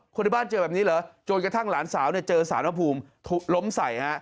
ในบ้านเจอแบบนี้เหรอจนกระทั่งหลานสาวเนี่ยเจอสารพระภูมิล้มใส่ฮะ